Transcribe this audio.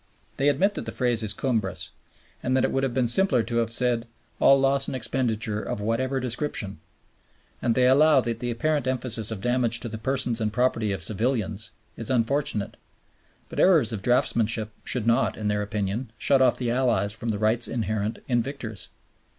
They admit that the phrase is cumbrous, and that it would have been simpler to have said "all loss and expenditure of whatever description"; and they allow that the apparent emphasis of damage to the persons and property of civilians is unfortunate; but errors of draftsmanship should not, in their opinion, shut off the Allies from the rights inherent in victors.